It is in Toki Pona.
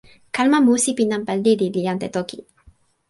kalama musi pi nanpa lili li ante toki.